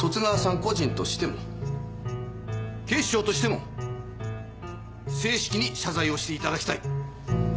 個人としても警視庁としても正式に謝罪をして頂きたい。